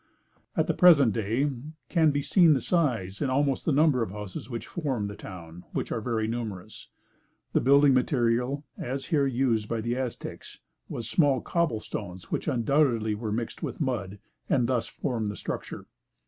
At the present day, can be seen the size and almost the number of houses which formed the town which are very numerous. The building material, as here used by the Aztecs, was small cobble stones which undoubtedly were mixed with mud and thus formed the structure.